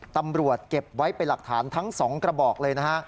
ตำรวจเก็บไว้เป็นหลักฐานทั้ง๒กระบอกเลยนะฮะ